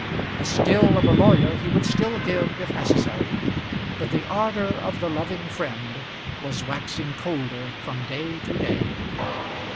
The skill of a lawyer he would still give if necessary, but the ardour of the loving friend was waxing colder from day to day.